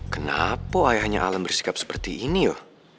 kenapa ayahnya alam bersikap seperti ini loh